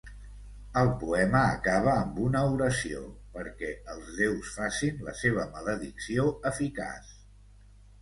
El poema acaba amb una oració perquè els déus facin la seva maledicció eficaç.